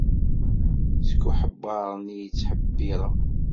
Seg uḥebbeṛ nni i ttḥebbiṛeɣ.